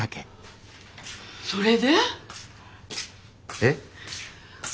それで？え？